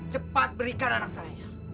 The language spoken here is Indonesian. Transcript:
cepat berikan anak saya